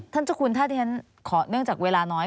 เจ้าคุณถ้าที่ฉันขอเนื่องจากเวลาน้อย